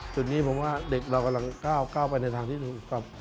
จุดนี้ผมว่าเด็กเรากำลังก้าวไปในทางที่ดูอีกครับ